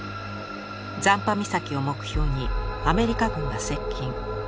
残波岬を目標にアメリカ軍が接近。